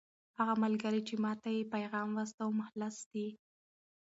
هغه ملګری چې ما ته یې پیغام واستاوه مخلص دی.